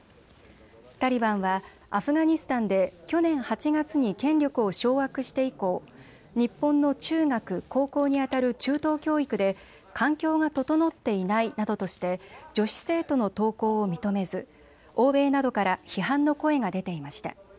タリバンはアフガニスタンで去年８月に権力を掌握して以降、日本の中学、高校にあたる中等教育で環境が整っていないなどとして女子生徒の登校を認めず欧米などから批判の声が出ていました。